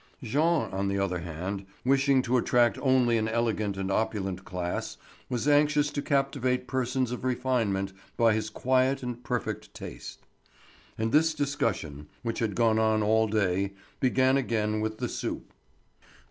Jean, on the other hand, wishing to attract only an elegant and opulent class, was anxious to captivate persons of refinement by his quiet and perfect taste. And this discussion, which had gone on all day, began again with the soup.